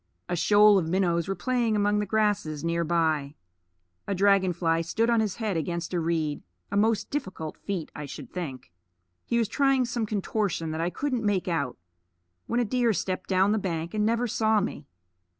A shoal of minnows were playing among the grasses near by. A dragon fly stood on his head against a reed a most difficult feat, I should think. He was trying some contortion that I couldn't make out, when a deer stepped down the bank and never saw me.